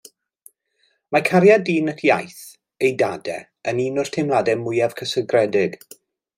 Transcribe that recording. Mae cariad dyn at iaith ei dadau yn un o'r teimladau mwyaf cysegredig.